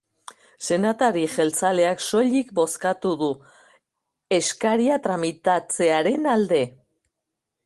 Senatari jeltzaleak soilik bozkatu du eskaria tramitatzearen alde.